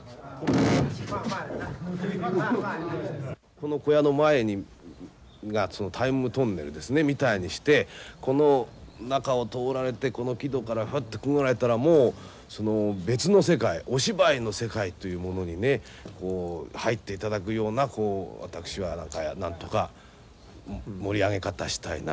この小屋の前がタイムトンネルですねみたいにしてこの中を通られてこの木戸からフッとくぐられたらもう別の世界お芝居の世界というものにね入っていただくようなこう私はなんとか盛り上げ方したいな。